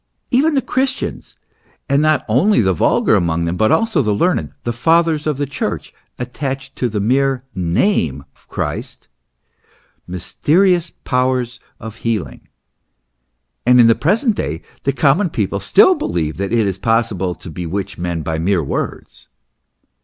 Even the Christians, and not only the vulgar among them, but also the learned, the Fathers of the Church, attached to the mere name Christ, mysterious powers of healing.* And in the present day the common people still helieve that it is possible to bewitch men by mere words.